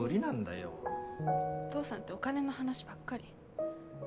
お父さんってお金の話ばっかり。